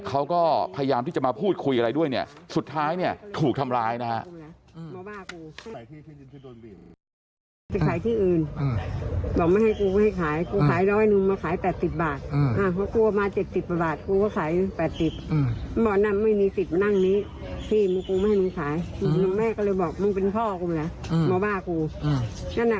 เขาก็พยายามที่จะมาพูดคุยอะไรด้วยเนี่ยสุดท้ายเนี่ยถูกทำร้ายนะฮะ